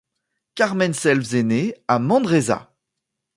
Carmen Selves est née à Manresa.